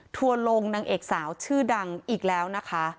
ทัวร์ลงนางเอกสาวชื่อดังอีกแล้วนะคะ